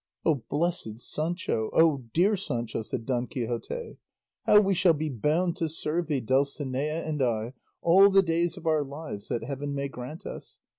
"O blessed Sancho! O dear Sancho!" said Don Quixote; "how we shall be bound to serve thee, Dulcinea and I, all the days of our lives that heaven may grant us!